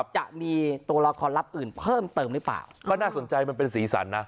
จะมีโตลอคอลลัพธ์อื่นเพิ่มเติมหรือเปล่าก็น่าสนใจมันเป็นศรีสรรค์นะ